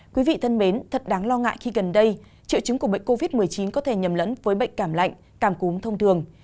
quý vị thân mến thật đáng lo ngại khi gần đây triệu chứng của bệnh covid một mươi chín có thể nhầm lẫn với bệnh cảm lạnh cảm cúm thông thường